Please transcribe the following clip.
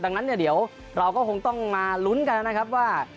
ดังนั้นเนี่ยเดี๋ยวเราก็คงต้องมาลุ้นกันนะครับว่า